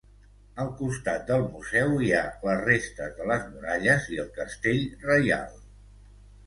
Al costat del museu hi ha les restes de les muralles i el castell reial.